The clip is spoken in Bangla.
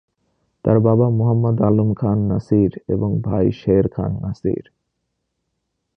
তার বাবা মোহাম্মাদ আলম খান নাসির এবং ভাই শের খান নাসির।